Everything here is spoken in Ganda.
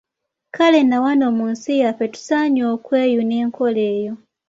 Kale na wano mu nsi yaffe tusaanye okweyuna enkola eyo.